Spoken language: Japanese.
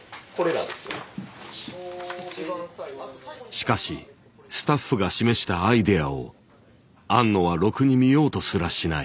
しかしスタッフが示したアイデアを庵野はろくに見ようとすらしない。